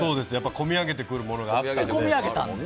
込み上げてくるものがあったので。